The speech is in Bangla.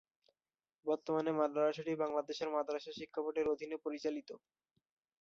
বর্তমানে মাদ্রাসাটি বাংলাদেশ মাদ্রাসা শিক্ষাবোর্ডের অধীনে পরিচালিত।